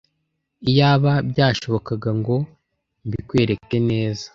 Iyaba byashobokaga ngo mbikwereke neza